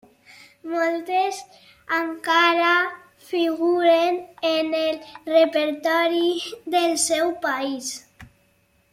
Moltes encara figuren en el repertori del seu país.